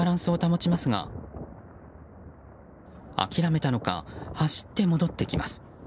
風に背を向け何とかバランスを保ちますが諦めたのか走って戻ってきます。